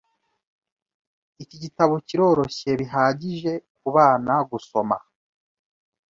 Iki gitabo kiroroshye bihagije kubana gusoma .